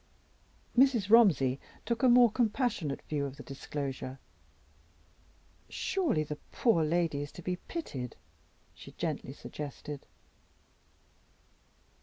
Mrs. Romsey took a more compassionate view of the disclosure. "Surely the poor lady is to be pitied?" she gently suggested.